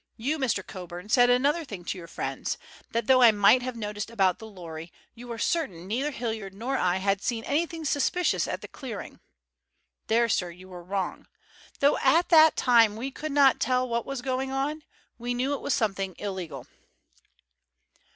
You, Mr. Coburn, said another thing to your friends—that though I might have noticed about the lorry, you were certain neither Hilliard nor I had seen anything suspicious at the clearing. There, sir, you were wrong. Though at that time we could not tell what was going on, we knew it was something illegal."